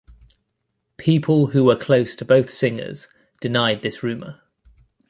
People who were close to both singers denied this rumor.